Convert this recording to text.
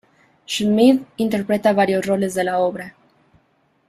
Schmidt interpreta varios roles de la obra.